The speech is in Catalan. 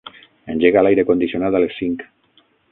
Engega l'aire condicionat a les cinc.